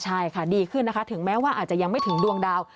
ใช่ค่ะดีขึ้นนะคะถึงแม้ว่าอาจจะยังไม่ถึงดวงดาว